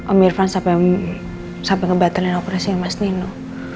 om irfan sampai ngebatalkan operasi mas nino